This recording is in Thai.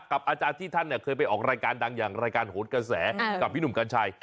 กับอาจารย์ที่ท่านเคยไปออกรายการดังอย่างรายการโหดกระแสกับพี่หนุ่มกัญชัย